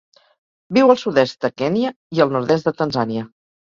Viu al sud-est de Kenya i el nord-est de Tanzània.